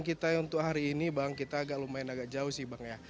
kita untuk hari ini bank kita agak lumayan agak jauh sih bang ya